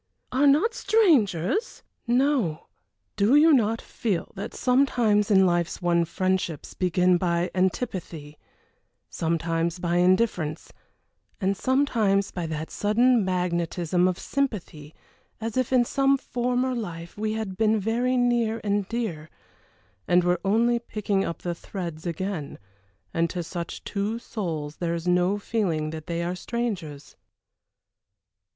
"Are not strangers ?" "No do you not feel that sometimes in life one's friendships begin by antipathy sometimes by indifference and sometimes by that sudden magnetism of sympathy as if in some former life we had been very near and dear, and were only picking up the threads again, and to such two souls there is no feeling that they are strangers."